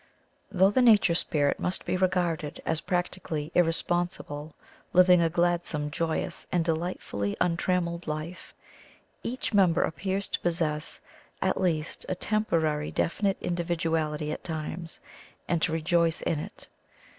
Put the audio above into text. — Though the nature spirit must be regarded as practically irre sponsible, living a gladsome, joyous, and de lightfully untrammelled life, each member appears to possess at least a temporary defi nite individuality at times, and to rejoice in it.